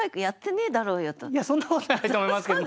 いやそんなことはないと思いますけど。